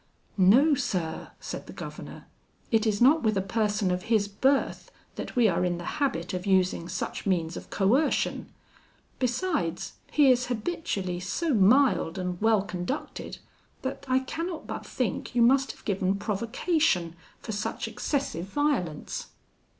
'No, sir!' said the governor, 'it is not with a person of his birth that we are in the habit of using such means of coercion; besides, he is habitually so mild and well conducted, that I cannot but think you must have given provocation for such excessive violence.'